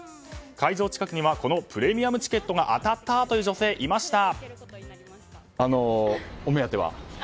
会場近くにはこのプレミアムチケットが当たったという女性がいました。